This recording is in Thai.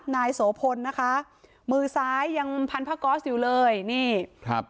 นายโสพลนะคะมือซ้ายยังพันผ้าก๊อสอยู่เลยนี่ครับ